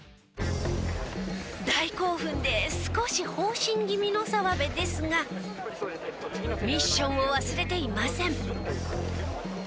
大興奮で少し放心気味の澤部ですがミッションを忘れていません。